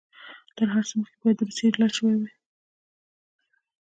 تر هر څه مخکې باید د روسیې علاج شوی وای.